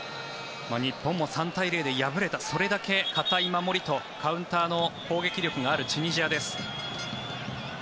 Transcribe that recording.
日本も３対０で敗れたそれだけ堅い守りとカウンターの攻撃力があるチュニジアです。